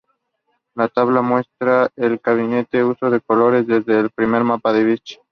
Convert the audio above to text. La tabla muestra el cambiante uso de colores desde el primer mapa de Beck.